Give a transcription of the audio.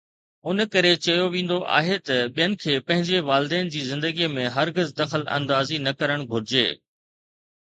ان ڪري چيو ويندو آهي ته ٻين کي پنهنجي والدين جي زندگيءَ ۾ هرگز دخل اندازي نه ڪرڻ گهرجي